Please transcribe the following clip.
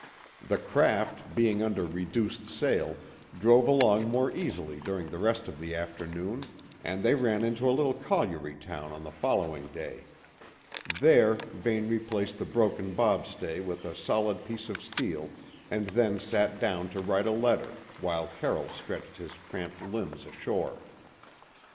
The craft, being under reduced sail, drove along more easily during the rest of the afternoon, and they ran into a little colliery town on the following day. There Vane replaced the broken bobstay with a solid piece of steel, and then sat down to write a letter, while Carroll stretched his cramped limbs ashore.